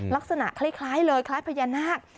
ลักษณะคล้ายเลยคล้ายพญานาค